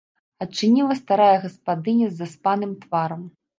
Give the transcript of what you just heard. Адчыніла старая гаспадыня з заспаным тварам.